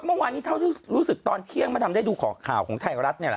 เมื่อวานนี้เท่าที่รู้สึกตอนเที่ยงมาดำได้ดูข่าวของไทยรัฐนี่แหละ